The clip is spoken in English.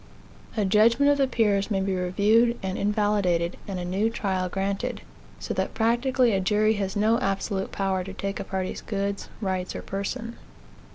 A judgment of the peers may be reviewed, and invalidated, and a new trial granted. So that practically a jury has no absolute power to take a party's goods, rights, or person.